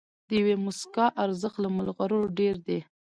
د یوې موسکا ارزښت له مرغلرو ډېر دی.